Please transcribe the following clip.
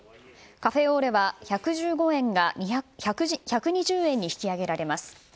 カフェオーレは１１５円が１２０円に引き上げられます。